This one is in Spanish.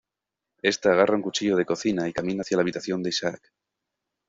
Ésta agarra un cuchillo de cocina y camina hacia la habitación de Isaac.